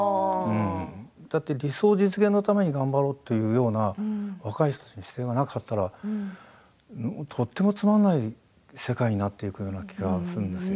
だって、理想実現のために頑張ろうというような若い人たちの姿勢がなかったらとってもつまんない世界になっていくような気がするんですよ。